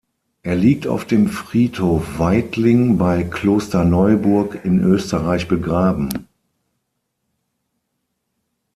Er liegt auf dem Friedhof Weidling bei Klosterneuburg in Österreich begraben.